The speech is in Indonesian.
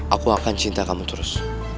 aku akan cinta kamu terus